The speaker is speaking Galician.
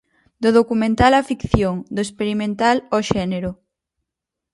Do documental á ficción, do experimental ao xénero.